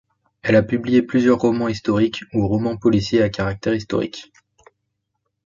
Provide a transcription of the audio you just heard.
Elle a publié plusieurs romans historiques ou romans policiers à caractère historique.